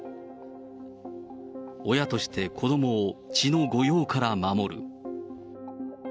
親として子どもを血の誤用から守る。